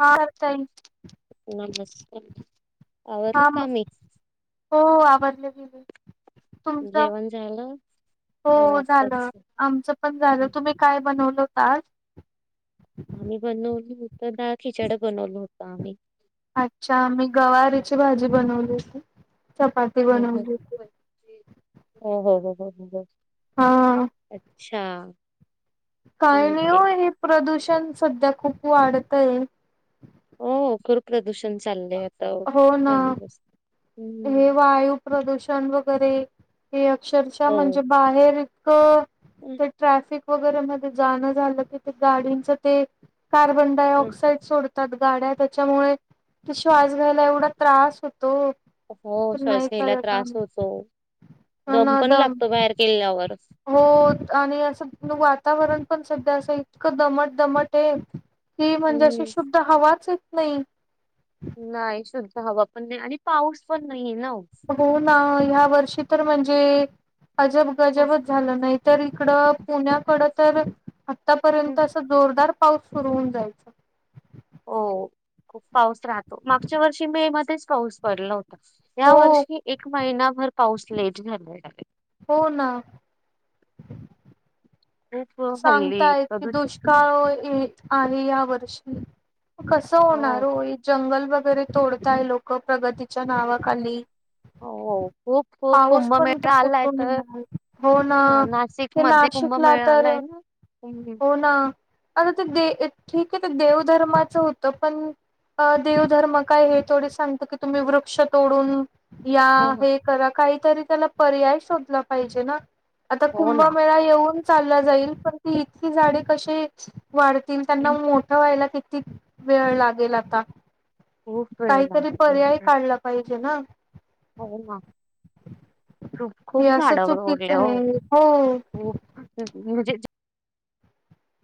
हा ह नमस्ते आवरली म. कामे हो आवजले गेले तुमच,. जेवण झालं हो झालं. आमचं पण झालं तुम्ही काय बनवलं होत आज? आम्ही बनवल होत डाळ खिचड बनवलं होतं आम्ही. अच्छा मी गवारीची भाजी बनवलीती चपाती. ह् ह. बनवली होती हॊ हो. हा अच्छा. काही नाहि ठीक आहे हो हे प्रदूषण सध्या खूप वाढतय. हो खूर प्रदूषण चाललंय आता हो. हे वायू प्रदूषण वगैरे हे अक्षरशः हो म्हणजे बाहेर.. हम्म. ते ट्रॅफिक वगैरे म जाणं झालं कि गाडींच ते कार बन. डाय ऑक्साईड सोडतात गाड्या त्याच्यामुळे ते श्वास घ्यायला एवढा त्रास होतो. हो तर नाही श्वास घ्याला खरं काम त्रास होतो दम पण लागतो बाहेर गेल्यावर. हो आणि असं वातावरण पण सध्या असं इतकं दमट दमट आहे. ती म्हणजे अशी हम्म शुद्ध हवाच येत नाही. नाही, शुद्ध हवा पण नाही आणि पाऊस पण नाहीे आहे ना ओ - हो ना ह्या वर्षी तर म्हणजे अजब गजबच खूप झालं नाही. तर इकडं पुण्याकडं तर आतापर्यंत असं जोरदार पाऊस सुरू होऊन जायचा. हो खुप पाऊस राहतो मागच्या वर्षी मे मध्येच पाऊस पडलं होता. या हो वर्षी एक महिनाभर पाऊस लेट झालेला आहे. हो ना. खूप हल्ली सांगताय की प्रदूषण दोष्ट काय होईल ओआणि या वर्षी कस होणार हो जंगल वगैरे तोडताय लोक प्रगतीच्या नावाखाली- हो खूप खूप पाऊस पण कुंभमेळा तर आलाय कुठून तर येणार हो ना नाशिक ते मध्ये कुंभ नाशिकला मेळा तर आलाय ना हो ना आता ते दे ठीक आहे ते देवधर्माचं होत पण आ देव धर्म काय हे थोडी सांगतत की तुम्ही वृक्ष तोडून- या हम्म, हे करा काहीतरी त्याला पर्याय शोधला पाहिजे ना आता हो ना कुंभमेळा येऊन चालला जाईल पण ती इतकी झाडे कशी वाढतील त्यांना हम्म, मोठं व्हायला किती वेळ लागेल आता- खूप वेळ काहीतरी लागेल. पर्याय काढला पाहिजे ना. हो ना खूप हे खूप असं झाडावर होले चुकीचं हो आहे हो खूप म्हणजे -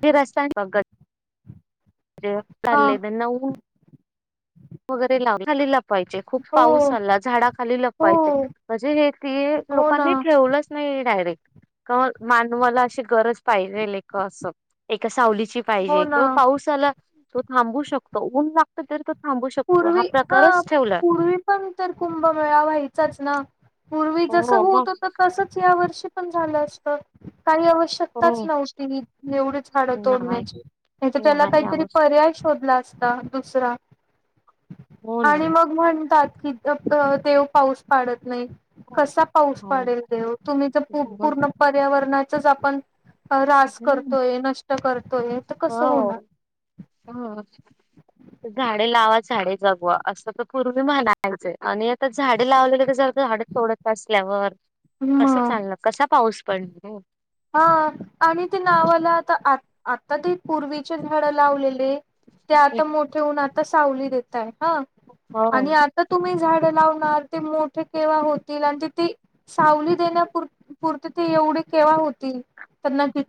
ते रस्ता आहे. हा [unintelligible] वगैरे लाव खाली लाव. खूप हो पाऊस आला झाडा खाली हो लपवायचे म्हणजे हे ते हो ना लोकांनी ठेवलं नाही. डायरेक्ट मानवाला अशी गरज पाहिजे का अस एका सावलीची- हो पाहिजे ना किंवा पाऊसाला तो थांबू शकतो ऊन लागत तेव्हा - थांबू शकतो हा प्रकारच ठेवला पूर्वी पण तर कुंभमेळा व्हायचाच ना पूर्वी कस हो मग होत होत तसच या वर्षी तसंच झाल असत काही आवश्यक ताच हो नव्हती एवढी झाड नाही तोडण्याची नाही तर त्याला नाही काही आवश्यक पर्याय शोधला असता दुसरा हो ना आणि मग म्हणतात की देव पाऊस पाडत नाही कसा पाऊस पडेल देव तुम्ही जर पूर्ण पर्यावरणाचच आपण त्रास करतोय नष्ट करतोय तर कसं होणार हा हम झाडे लावा झाडे जगवा असं तर पूर्वी म्हणायचं आणि आता झाडे लावले तर ते आता झाड तोडत असल्यावर कस मग. चाललं कसा पाऊस पडल हा आणि ते नावाला आता आ आता ते पूर्वीचे झाडं लावलेले ते आता मोठे होऊन आता सावली देतय हा आणि हो आ तर तुम्ही झाड लावणार ते मोठे केव्हा होतील आणि ते ते सावली देण्यार पुरती ते एवढी केव्हा होती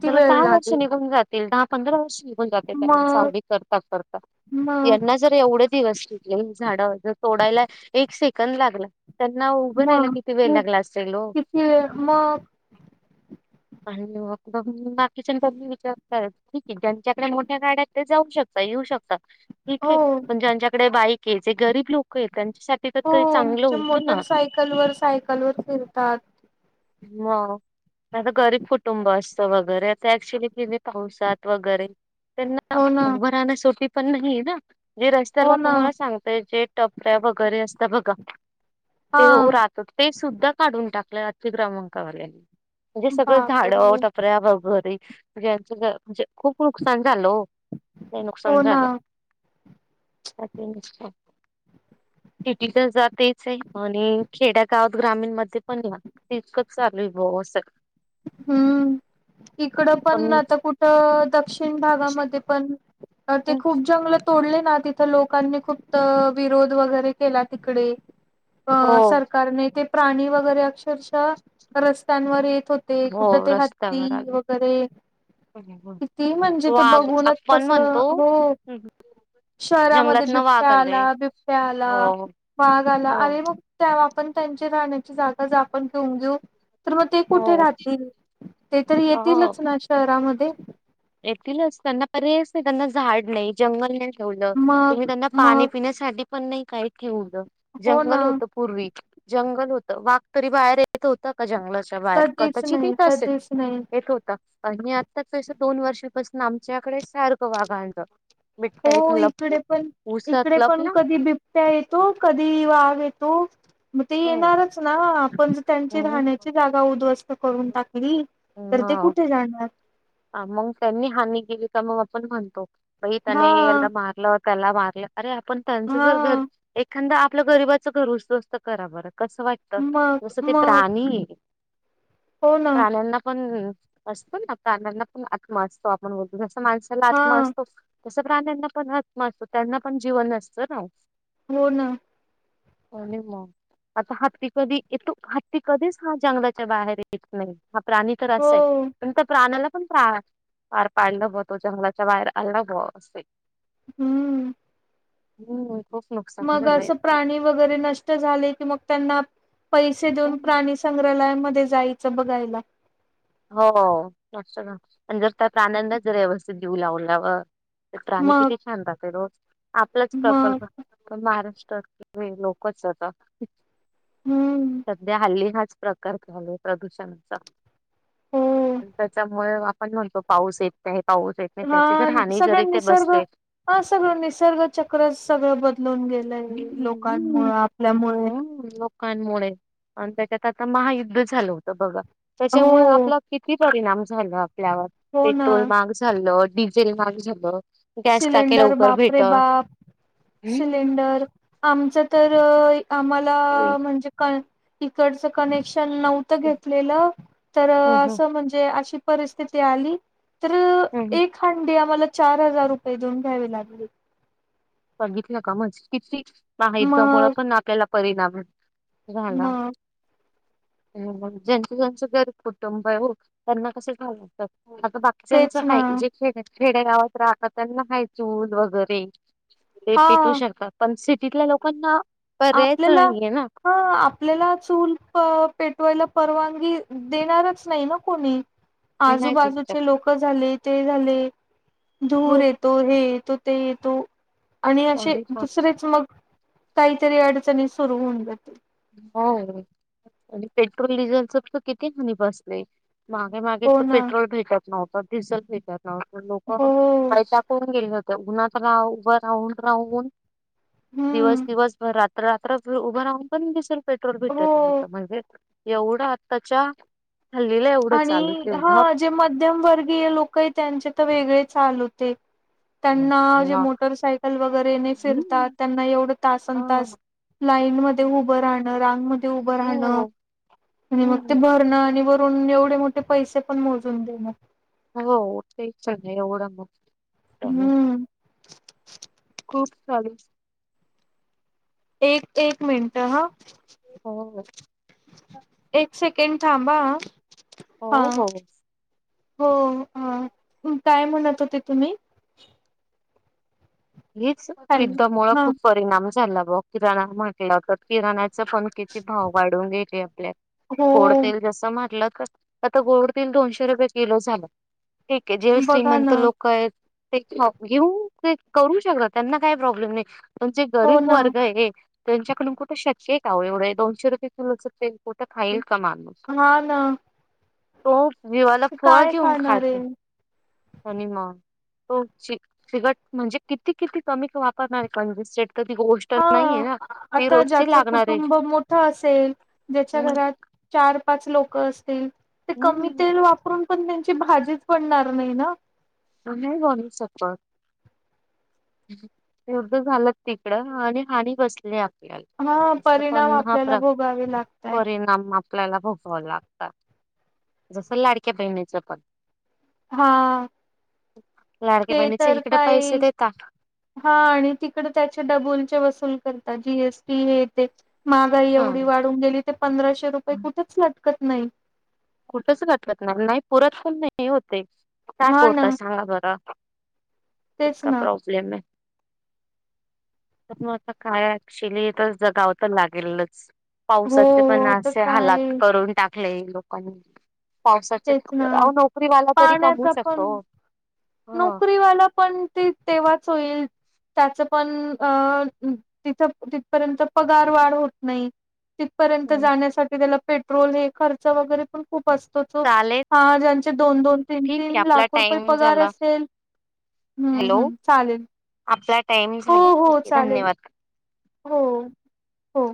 त्याला दहा वर्ष निघून जातील दहा पंधरा वर्ष निघून जातील त्यांना मग सावली करता करता मग यांना जर एवढे दिवस लागतील झाड जर तोडायला एक सेकंद लागला. त्यांना उभं राहिलं मग किती वेळ खूप लागला असेल हो किती वेळ मग आणि मग बघ बाकीच्या कधी विचारत आहेत. ठीक आहे ज्यांच्याकडे मोठ्या गाड्यात ते जाऊ शकतात येऊ शकतात. ठीक हो आहे. पण ज्यांच्याकडे बाईक आहे, जे गरीब लोक आहे त्यांच्यासाठी तर हो ते चांगलं जे होतं ना मोटरसायकलवर सायकल वर फिरतात. मग माझ गरीब कुटुंब अस- वगरेक्चुली पावसात वगैरे त्यांना हो ना उभं राहण्यासाठी पण नाही ना जे हो रस्त्याला ना तुम्हाला सांगतय जे टपऱ्या वगैरे असत बघा हा ते ते सुद्धा काढून टाकलं आजच्या ग्रमांकावाल्यानी म्हणजे सगळं झाड बापरे णजे खूप नुकसान झालं हो ते हो नुकसान ना झालं अ ते नि ह सिटी तर जातेच आहे आणि खेड्या गावात ग्रामीण मध्ये पण या तितकं चालू आहे भा अस हम्म इकडं पण आता कुठं दक्षिण भागामध्ये पण अ ते खूप जंगल तोडले ना तिथं लोकांनी खूप विरोध वगैरे केला तिकडे अ हो सरकारने ते प्राणी वगैरे अक्षरशः रस्त्यांवर येत होते हो कुठ ते हत्ती रस्त्यावर आले वगैरे किती म्हणजे ते वाघ बघूनच आपण कसं म्हणतो हो शहरामध्ये जंगलात न बिबट्या वाघ आले आला बिबट्या आला हो वाघ आला हो आणि मग ्हा आपण त्यांची राहण्याची जागा ज आपण घेऊन घेऊ तर मग ते हो कुठे राह ते तरी हो येतीलच ना शहरामध्ये येतीलच त्यांना पर्यायच नाही त्यांना झाड नाही जंगल नाही ठेवलं तुम्ही मग त्यांना पाणी मग पिण्यासाठी पण नाही काही ठेवलं हो ना जंगल होत पूर्वी जंगल होतं वाघ तरी बाहेर येत होत का जंगलाच्या बाहेर कधीच कदाचित नाही येत असेल कधीच नाही येत होत आणि आत्ताचं दोन वर्षापासून आमच्याकडे सारखं वाघांलं हो इकडे पण इकडे उसात पण लपला कधी बिबट्या येतो कधी वाघ येतो मग ते हो. येणारच ना आपण ज त्यांची राहण्याची जागा उद्ध्वस्त करून टाकली तर ते हम्म कुठे जाणार मग त्यांनी हानी केली तर मग आपण म्हणतो बाई त्याने हा याला मारलं त्याला मारलं अरे आपण त्यांचं जर घर हा एखादा आपलं गरीबाचं घर उसत असतं करा बरं कसं वाटत मग जसं ते मग प्राणी हो ना प्राण्यांना पण असतो ना प्राण्यांना पण आत् असतो आपण बोलतो जस माणस हा आत्मा असतो तस प्राण्यांना पण आत्मा असतो त्यांना पण जीवन असतं ना हो ना हो नि म आता हत्ती कधी येतो हत्ती कधीच हा जंगलाच्या बाहेर येत नाही हा प्राणी तर हो असा आहे पण त्या प्राण्याला पणा फार पांडव तो जंगलाच्या बाहेर आला ब असे हम्म हो मग असं प्राणी वगैरे नष्ट झाले कि मग त्यांना पैसे देऊन प्राणी संग्रहालयामध्ये जायचं बघायला हो नत ना प जर त्या प्रनंदच जर व्यवस्थित देऊ लावल्यावर तर प्राणी मग किती छानत राहते रोज आपलाच मग प्रकल्प पण महाराष्ट्रात लोकच आता हम्म सध्या हल्ली हाच प्रकार चालोय प्रदूषणाचा हो आणि त्याच्यामुळे आपण म्हणतो पाऊस येत त्या पाऊस येत आणि हा त्याची जर हानी जरी सगळं इथे निसर्ग बसते हा सगळं निसर्ग चक्र सगळं बदलून गेलंय लोकांमुळे आपल्यामुळे कमुळे त्याच्यात आ महायुद्ध झालं होत बघा हो त्याच्यामुळे आप किती परिणाम झालं आपल्यावर हो ना पेट्रोल महाग झालं डिझेल महाग झालं गॅस टाके सिलेंडर लवकर बापरे भेट बाप हम्म सिलेंडर आ आ म्ह इकडचं कनेक्शन नव्हतं घेतलेलं तर हम्म असं म्हण आ हम्म ह काही दोन घ्यावे लागली बघितलं का मणज किती माही जमुळं मग पण आपल्याला परिणाम आहे झाला ह ज्यांच ज्यांच गरीब कुटुंब आहे हो त्यांना कसे झा लागतात आता बाकी ज्यांचं तेच ना हा जे खेड खेड्यागावात राहतात त्यांना हाय चूल वगैरे ते पेटू हा शकतात पण सिटीतल्या लोकांना पर्यायच आपल्याला नाहीये ना हा आपल्याला चूल पेटवायला परवानगी देणारच नाही ना कोणी ते नाही आजूबाजूचे जिंकत लोक झाले ते झाले धूर हो येतो हे य तो ते येतो आणि असे अरे बाप- दुसरेच मग री अडचणी सुरु होऊन जातील हो आणि पेट्रोल डिझेलच तर किती म्हनी बसलंय मागे मागे हो तर ना पेट्रोल भेटात नव्हता डिझल भेटात लोक हो पैसा करून गेले होत उन्हातला उभं राहून राहून हम् दिवस दिवसर रात्र रात्र उभं राहून पण दिसेल पेट्रोल भेटायच हो नाही म एवढं आताच्या हल्लीला एवढं चालू आणि ते हा जे मध्यम वर्गीय लोक त्यांचे तर वेगळे चाल होते त्यांना जे ना. मोटरसायकल वगैरे नाही फिरतात हम्म. त्यांना एवढं तासन हा तास लाईन मध्ये उभं राहणं रांगमध्येध्ये उभं राहणं हो आणि मग ते हम्म. भरणं आणि वरून एवढे मोठे पैसे पण मोजून देणं हो ते चग आहे एवढं मग हम्म. खूप चालू एक एक मिनट हा हो एक सेकं कन थांबा हो हा हो हो काय म्हणत होते तुम्ही हीच हॅलो युद्ध मुळ हा खूप परिणाम झाला ब किराणा म्हण लगत किराणाच पण किती भाव वाढून घ्यायचे आपल्यात हो. गोड तेल जस मारलं का आता गोडतीलल दोनशे रुपये किलो झालं ठीक आहे जेव बघा श्रीमंत ना लोक आहेत ते घेऊ ते करू शकत त्यांना काही प्रॉब्लेम नाही पचे हो गरीब ना वर्ग आहे त्यांच्याडूनुठ श आहे काव एवढ दोनेुये किलो चं कुठं खाईल कमाारस हा ना तो जिवाला फळ काय घेऊन खाणार आहे. खायचं त्यानी म तो चिकट म्हणजे किती किती कमी वापरणार आहे कंजुस्टड तर ती गोष्ट. हा नाहीये ना ती आता रोजची ज्याचं लागणार आहे कुटुंब मोठं असेल ज्याच्या हम्म घरात चार पाच लोक असतील ते कमी हम्म. तेल वापरून पण त्यांची भाजीच पडणार नाही ना. नाही गणी शकत एध झालंच तिकड आणि हानी बसली. हा परिणाम पण ह आपल्याला प्र. भोगावे लागताय. काम आपल्याला भोगावं लागतात जस लाडक्या बहिणीचं पण. हा लाडक्या ते बहिणीचे तर इकडे पैसे काय. देतात हा आणि तिकड त्याचे डबलचे वसूल करतात जीएसटी हे ते. मागाई ह एवढी वाढून गेली ते पंधराशे रुपये कुठेच लटकत नाही. कुठच वाटकत नाही नाही पुरत पण नाही होते काय हा ना कोरता सांगा बरं. तेच इका ना प्रॉब्लेम आहे. तर मग आता काय ऍक्च्युली तर जगाव तर लागेलच. हो पावसाचे पण हो. तर असे हालात काय करून टाकले लोकांनी पावसाच तेच ना अ नोकरी वाला तरी कमवू पाण्याचा शकतो पण ह नोकरीवाला पण ते तेव्हाच होईल त्याच पण अ तिथ तिथपर्यंत पगार वाढ होत नाही तिथपर्यंत जाण्यासाठी त्याला पेट्रोल हे खर्च वगैरे पण. खूप असतो तो चालेल हा ज्यांचे दोन दोन तीन ठीक आहे तीन आपला लाख रुपये टाइम पगार झाला असत. तेल हम् हॅलो हम्म चालेल. आपला टाईम हो झाला ठीक हो आहे चालेल धन्यवाद. हो हो.